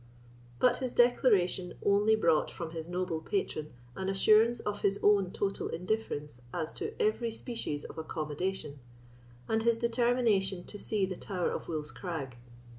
But his declaration only brought from his noble patron an assurance of his own total indifference as to every species of accommodation, and his determination to see the Tower of Wolf's Crag.